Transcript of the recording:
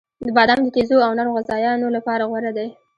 • بادام د تیزو او نرم غذایانو لپاره غوره دی.